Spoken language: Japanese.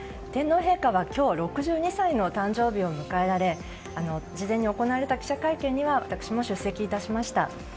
天皇陛下は今日６２歳の誕生日を迎えられ事前に行われた記者会見には私も出席致しました。